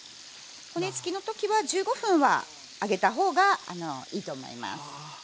骨付きの時は１５分は揚げた方がいいと思います。